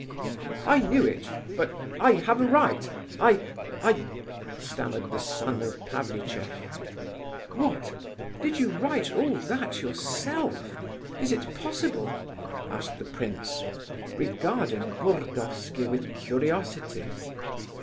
"I knew it, but I have a right. I... I..." stammered the "son of Pavlicheff." "What! Did you write all that yourself? Is it possible?" asked the prince, regarding Burdovsky with curiosity.